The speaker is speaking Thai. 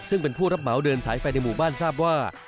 ซึ่งเป็นผู้รับเหมาเดินสายไฟในหมู่บ้านทราบว่า